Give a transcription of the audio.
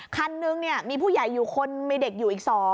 คันนึงมีผู้ใหญ่อยู่คนมีเด็กอยู่อีก๒